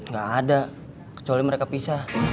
gak ada kecuali mereka pisah